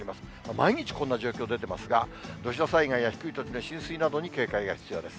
毎日こんな状況出てますが、土砂災害や低い土地の浸水などに警戒が必要です。